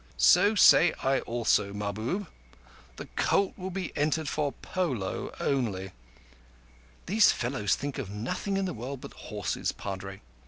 "So say I also, Mahbub. The colt will be entered for polo only. (These fellows think of nothing in the world but horses, Padre.)